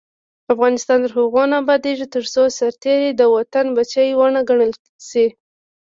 افغانستان تر هغو نه ابادیږي، ترڅو سرتیری د وطن بچی ونه ګڼل شي.